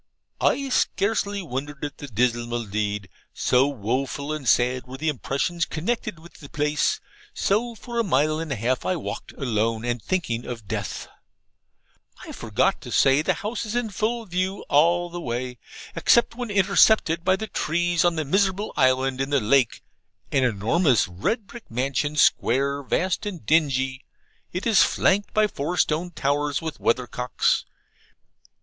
I scarcely wondered at the dismal deed, so woful and sad were the impressions connected with the place. So, for a mile and a half I walked alone and thinking of death. I forgot to say the house is in full view all the way except when intercepted by the trees on the miserable island in the lake an enormous red brick mansion, square, vast, and dingy. It is flanked by four stone towers with weathercocks.